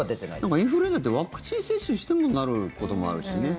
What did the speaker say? インフルエンザってワクチン接種してもなることもあるしね。